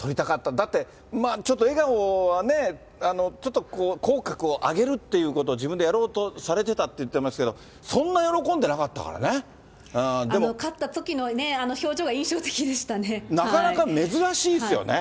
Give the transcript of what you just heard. だって、まあちょっと、笑顔はね、ちょっとこう、口角を上げるってことを、自分でやろうとされてたって言ってましたけど、そんな喜んでなか勝ったときのね、なかなか珍しいですよね。